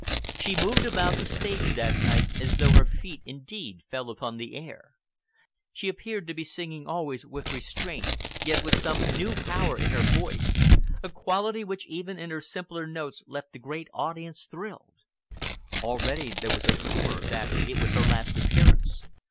She moved about the stage that night as though her feet indeed fell upon the air. She appeared to be singing always with restraint, yet with some new power in her voice, a quality which even in her simpler notes left the great audience thrilled. Already there was a rumor that it was her last appearance.